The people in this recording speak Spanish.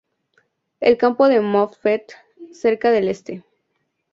El campo de Moffett cerca del este.